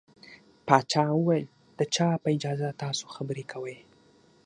پاچا وويل د چا په اجازه تاسو خبرې کوٸ.